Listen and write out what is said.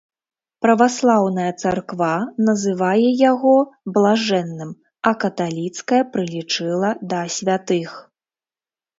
Праваслаўная царква называе яго блажэнным, а каталіцкая прылічыла да святых.